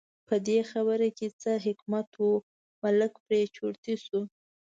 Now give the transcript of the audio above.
په دې خبره کې څه حکمت و، ملک پرې چرتي شو.